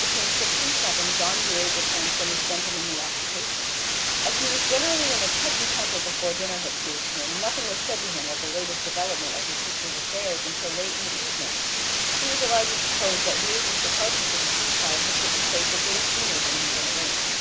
Between six and seven John Yule returned from his gentlemanly occupations. As he was generally in a touchy temper before dinner had soothed him, nothing was said to him of the latest development of his sister's affairs until late in the evening; he was allowed to suppose that Reardon's departure for the seaside had taken place a day sooner than had been arranged.